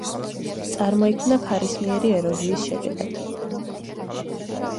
წარმოიქმნა ქარისმიერი ეროზიის შედეგად.